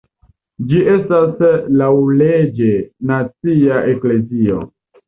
Ĝi estas laŭleĝe nacia eklezio.